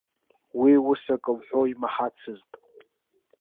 Уи ус акы лҳәо имаҳацызт.